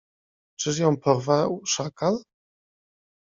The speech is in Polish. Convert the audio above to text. Czyż ją porwał szakal?